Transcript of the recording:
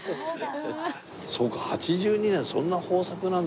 そうか８２年そんな豊作なんだ。